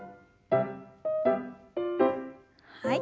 はい。